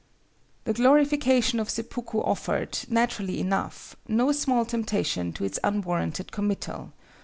The glorification of seppuku offered, naturally enough, no small temptation to its unwarranted committal.